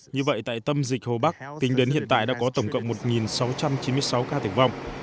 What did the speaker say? như vậy tại tâm dịch hồ bắc tính đến hiện tại đã có tổng cộng một sáu trăm chín mươi sáu ca tử vong